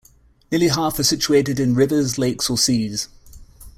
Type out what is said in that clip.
Nearly half are situated in rivers, lakes or seas.